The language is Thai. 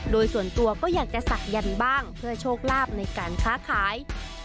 โดยส่วนตัวก็อยากจะศักยันต์บ้างเพื่อโชคลาภในการค้าขาย